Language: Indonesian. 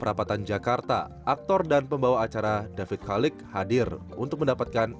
di kota jakarta aktor dan pembawa acara david kallik hadir untuk mendapatkan